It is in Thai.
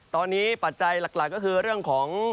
ตอนนี้ปัจจัยหลักก็คือเรื่องของ